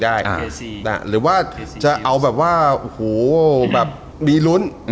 อ่าละหรือว่าจะเอาแบบว่าโอ้โหแบบว่ามีรุนอืม